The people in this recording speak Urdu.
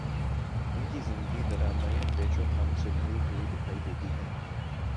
ان کی زندگی ڈرامائی پیچ و خم سے بھری ہوئی دکھائی دیتی ہے۔